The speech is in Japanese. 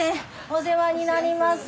お世話になります。